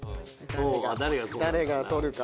誰がとるか。